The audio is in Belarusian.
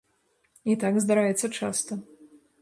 І так здараецца часта.